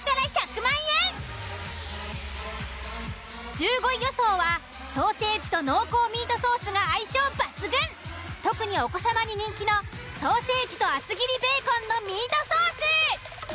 １５位予想はソーセージと濃厚ミートソースが相性抜群特にお子様に人気のソーセージと厚切りベーコンのミートソース。